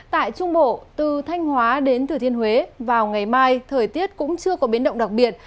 tại trung bộ từ thanh hóa đến thừa thiên huế vào ngày mai thời tiết cũng chưa có biến động đặc biệt